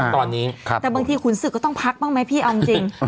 แต่บางทีขุนศึกก็ต้องพักบ้างไหมพี่อ่ะจริง